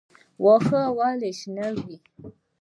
واښه ولې شنه وي؟